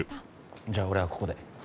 じゃあ俺はここで。